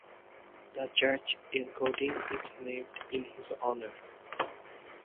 The Church encoding is named in his honor.